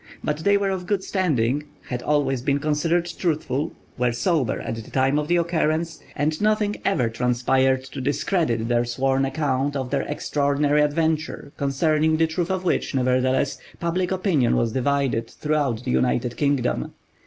But they were of good standing, had always been considered truthful, were sober at the time of the occurrence, and nothing ever transpired to discredit their sworn account of their extraordinary adventure, concerning the truth of which, nevertheless, public opinion was divided, throughout the United Kingdom.